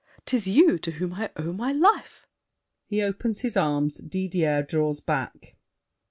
'Tis you To whom I owe my life! [He opens his arms. Didier draws back.